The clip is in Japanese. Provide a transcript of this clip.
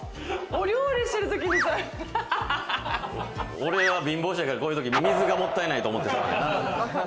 これは貧乏性だからこんな時、水がもったいないと思ってしまう。